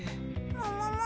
ももも？